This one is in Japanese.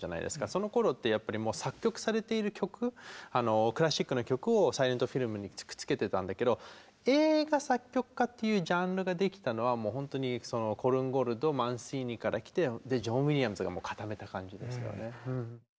そのころってやっぱりもう作曲されている曲クラシックの曲をサイレントフィルムにくっつけてたんだけど映画作曲家っていうジャンルができたのはもう本当にコルンゴルトマンシーニから来てでジョン・ウィリアムズがもう固めた感じですよね。